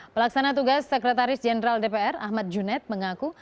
pelaksana tugas sekretaris jenderal dpr ahmad junet mengaku